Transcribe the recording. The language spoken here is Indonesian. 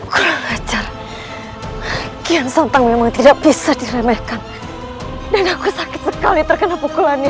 kurang acar kian santang memang tidak bisa diremehkan dan aku sakit sekali terkena pukulannya